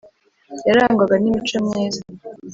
yarangwaga n’imico myiza